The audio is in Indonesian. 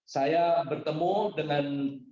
saya bertemu dengan